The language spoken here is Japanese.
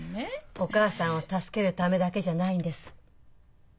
お義母さんを助けるためだけじゃないんです。